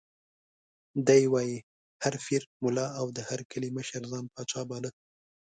دی وایي: هر پیر، ملا او د هر کلي مشر ځان پاچا باله.